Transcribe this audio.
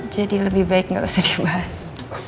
jadi lebih baik gak usah dibahas